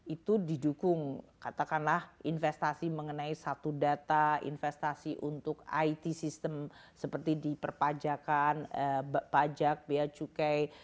itu didukung katakanlah investasi mengenai satu data investasi untuk it system seperti di perpajakan pajak biaya cukai